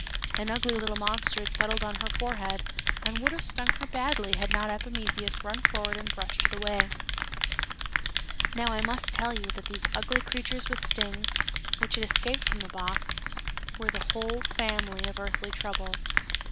An ugly little monster had settled on her forehead, and would have stung her badly had not Epimetheus run forward and brushed it away. Now I must tell you that these ugly creatures with stings, which had escaped from the box, were the whole family of earthly troubles.